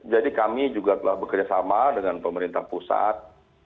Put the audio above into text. jadi kami juga telah bekerjasama dengan pemerintah pusat